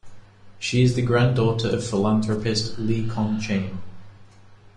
She is the granddaughter of philanthropist Lee Kong Chian.